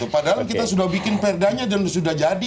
padahal kita sudah bikin perda nya dan sudah jadi